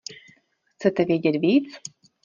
Chcete vědět víc?